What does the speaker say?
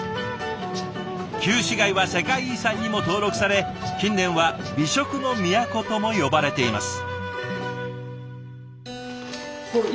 旧市街は世界遺産にも登録され近年は美食の都とも呼ばれています。